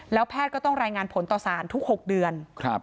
แล้วแพทย์ก็ต้องรายงานผลต่อสารทุก๖เดือน